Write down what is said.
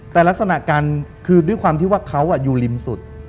แต่ลักษณะการคือด้วยความที่ว่าเขาอยู่ริมสุด